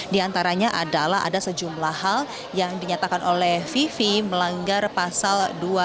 di antaranya adalah ada sejumlah hal yang dinyatakan oleh vivi melanggar pasal dua ratus enam puluh tiga